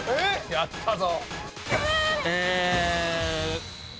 やったぜ！